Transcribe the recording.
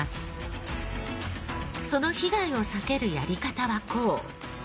その被害を避けるやり方はこう。